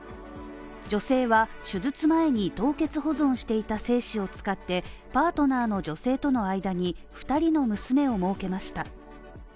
女性は手術前に凍結保存していた精子を使ってパートナーの女性との間に、２人の娘をもうけました。